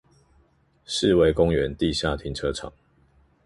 四維公園地下停車場